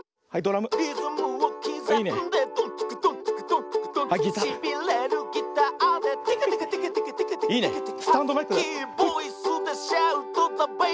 「リズムをきざんでドンツクドンツクドンツクドンツク」「しびれるギターでテケテケテケテケテケテケテケテケ」「ハスキーボイスでシャウトだベイベー」